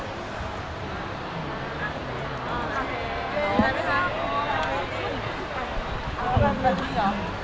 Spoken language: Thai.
รีเพลร์